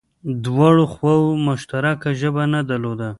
دواړو خواوو مشترکه ژبه نه درلوده